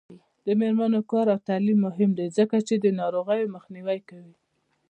د میرمنو کار او تعلیم مهم دی ځکه چې ناروغیو مخنیوی کوي.